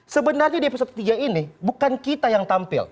sebenarnya di episode ketiga ini bukan kita yang tampil